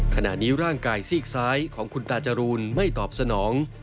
ขณะนี้ร่างกายซีกซ้ายของคุณตาจรูนไม่ตอบสนอง